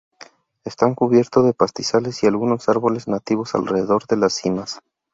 Están cubiertos de pastizales, y algunos árboles nativos alrededor de las cimas.